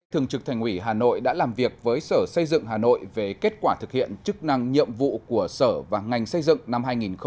thường trực thành ủy hà nội đã làm việc với sở xây dựng hà nội về kết quả thực hiện chức năng nhiệm vụ của sở và ngành xây dựng năm hai nghìn một mươi chín